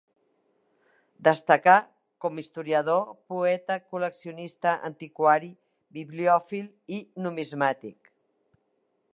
Destacà com historiador, poeta, col·leccionista, antiquari, bibliòfil, i numismàtic.